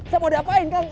saya mau diapain kang